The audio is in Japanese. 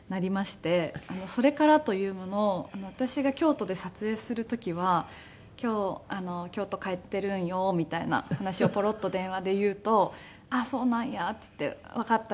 それからというもの私が京都で撮影する時は「今日京都帰ってるんよ」みたいな話をポロッと電話で言うと「あっそうなんや」って言って「わかった。